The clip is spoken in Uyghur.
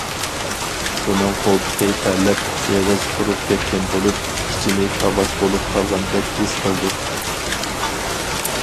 ئۇنىڭ قولتۇقى تەرلەپ، ئېغىزى قۇرۇپ كەتكەن بولۇپ، ئىچىنى كاۋاك بولۇپ قالغاندەك ھېس قىلدى.